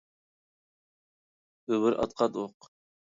ئۆمۈر ئاتقان ئوق.